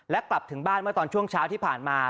และกลับถึงบ้านเมื่อตอนช่วงเช้าที่ผ่านมา